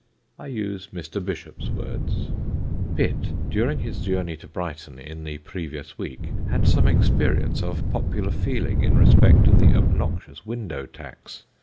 I use Mr. Bishop's words: "Pitt during his journey to Brighton, in the previous week, had some experience of popular feeling in respect of the obnoxious Window Tax.